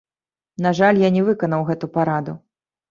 На жаль, я не выканаў гэту параду.